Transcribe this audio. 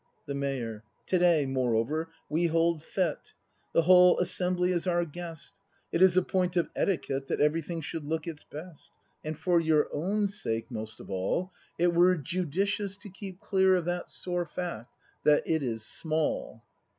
The Mayor. To day, moreover, we hold fete: The whole assembly is our guest; It is a point of eticjuctte That everything should look its best; And for your own sake, most of all, ACT V] BRAND 231 It were judicious to keep clear Of that sore fact — that it is small.